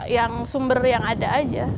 yang sumber yang ada aja